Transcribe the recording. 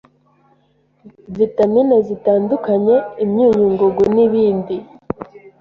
vitamin zitandukanye, imyunyungugu n’ibindi